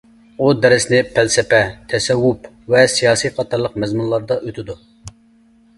ئۇ دەرسنى پەلسەپە، تەسەۋۋۇپ ۋە سىياسىي قاتارلىق مەزمۇنلاردا ئۆتىدۇ.